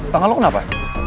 tangan lo kenapa